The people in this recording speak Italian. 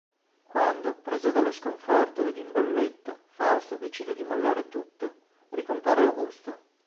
Quando, preso dallo sconforto ed in bolletta, Fausto decide di mollare tutto, ricompare Augusto.